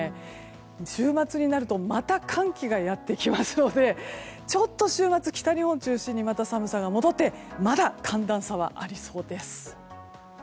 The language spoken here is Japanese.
週末になるとまた寒気がやってきますのでちょっと週末北日本中心に寒さが戻ってまだ寒暖差はありそうです。